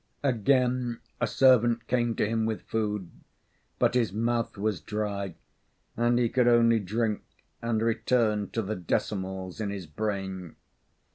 Again a servant came to him with food, but his mouth was dry, and he could only drink and return to the decimals in his brain.